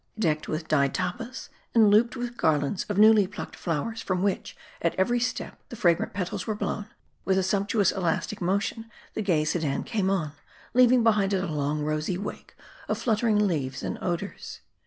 Decked with dyed tappas, and loop ed with garlands of newly plucked flowers, from which, at every step, the fragrant petals were blown ; with a sump tuous, elastic motion the gay sedan came on ; leaving be hind it a long, rosy wake of fluttering leaves and odors.